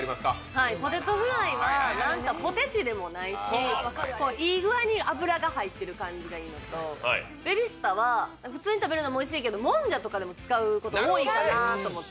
はいポテトフライはポテチでもないしいい具合に油が入ってる感じがいいのとベビスタは普通に食べるのもおいしいけどもんじゃとかでも使うこと多いかなと思って。